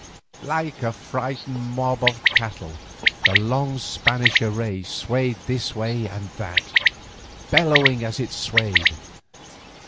Like a frightened mob of cattle the long Spanish array swayed this way and that, bellowing as it swayed.